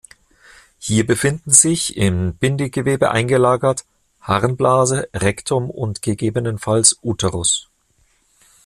Hier befinden sich, in Bindegewebe eingelagert: Harnblase, Rektum und gegebenenfalls Uterus.